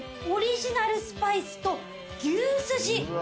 オリジナルスパイスと牛すじ。